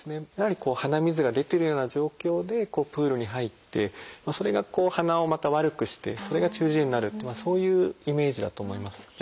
やはりこう鼻水が出てるような状況でプールに入ってそれがこう鼻をまた悪くしてそれが中耳炎になるそういうイメージだと思います。